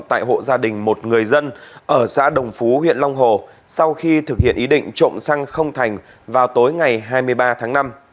tại hộ gia đình một người dân ở xã đồng phú huyện long hồ sau khi thực hiện ý định trộm xăng không thành vào tối ngày hai mươi ba tháng năm